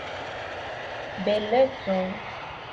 beleco